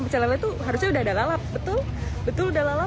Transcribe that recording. pecelele itu harusnya udah ada lalap betul betul udah lalap